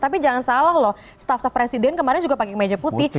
tapi jangan salah loh staff staf presiden kemarin juga pakai kemeja putih